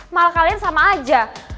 malah kalian sama aja